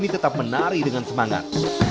tetap menari dengan semangat